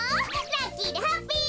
ラッキーでハッピー！